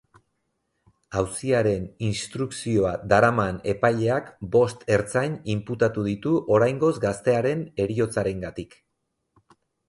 Auziaren instrukzioa daraman epaileak bost ertzain inputatu ditu oraingoz gaztearen heriotzarengatik.